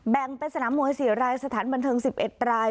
แบ่งเป็นสนามมวย๔รายสถานบันเทิง๑๑ราย